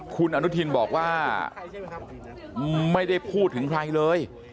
คุณอนุทินบอกว่าไม่ได้พูดถึงใครเลย